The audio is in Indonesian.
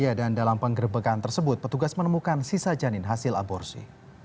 ya dan dalam penggerbekan tersebut petugas menemukan sisa janin hasil aborsi